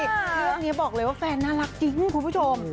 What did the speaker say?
เรื่องนี้บอกเลยว่าแฟนน่ารักจริงคุณผู้ชม